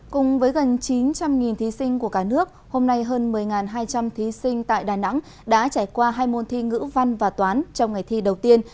cùng với gần chín trăm linh thí sinh của cả nước hôm nay hơn một mươi hai trăm linh thí sinh tại đà nẵng đã trải qua hai môn thi ngữ văn và toán trong ngày thi đầu tiên